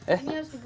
oh kenapa bu